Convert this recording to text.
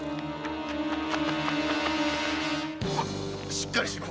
しっかりしろ。